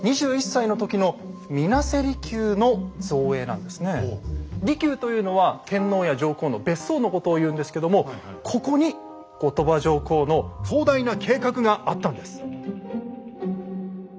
「離宮」というのは天皇や上皇の別荘のことを言うんですけどもここに後鳥羽上皇の壮大な計画があったんです。